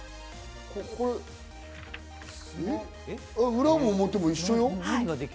裏も表も一緒よ？